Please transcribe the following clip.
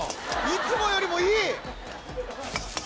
いつもよりもいい！